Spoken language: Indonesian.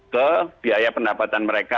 ke biaya pendapatan mereka